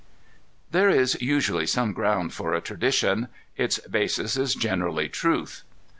There is usually some ground for a tradition. Its basis is generally truth.